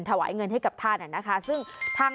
ถวายเงินให้กับท่านอ่ะนะคะ